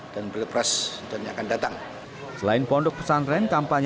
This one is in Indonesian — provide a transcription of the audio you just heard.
dan pilpres ternyata kingj elmo da selain pondok pesantren kampanye